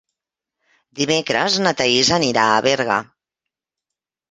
Dimecres na Thaís anirà a Berga.